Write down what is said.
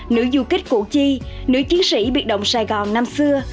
nữ du kích cụ chi nữ chiến sĩ biệt động sài gòn năm xưa